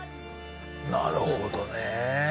なるほどね。